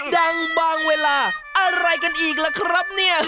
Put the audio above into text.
ดังบางเวลาอะไรกันอีกล่ะครับเนี่ย